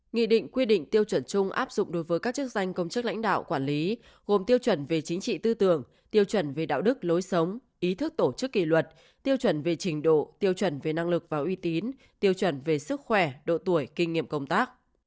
nghị định quy định tiêu chuẩn chung áp dụng đối với các chức danh công chức lãnh đạo quản lý gồm tiêu chuẩn về chính trị tư tưởng tiêu chuẩn về đạo đức lối sống ý thức tổ chức kỳ luật tiêu chuẩn về trình độ tiêu chuẩn về năng lực và uy tín tiêu chuẩn về sức khỏe độ tuổi kinh nghiệm công tác